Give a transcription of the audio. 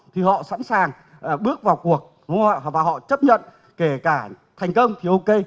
thì họ sẵn sàng bước vào cuộc và họ chấp nhận kể cả thành công thì ok